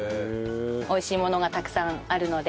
美味しいものがたくさんあるので。